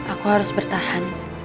aku harus bertahan